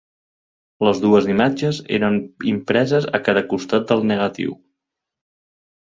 Les dues imatges eren impreses a cada costat del negatiu.